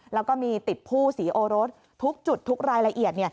แล้วก็มีติดผู้สีโอรสทุกจุดทุกรายละเอียด